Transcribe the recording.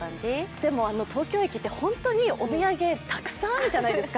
でも東京駅ってホントにお土産たくさんあるじゃないですか。